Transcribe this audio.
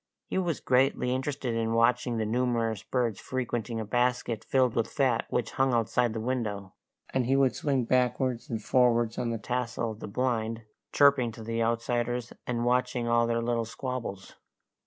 He was greatly interested in watching the numerous birds frequenting a basket filled with fat which hung outside the window, and he would swing backwards and forwards on the tassel of the blind, chirping to the outsiders, and watching all their little squabbles.